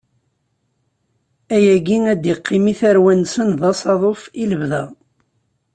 Ayagi ad d-iqqim i tarwa-nsen d asaḍuf, i lebda.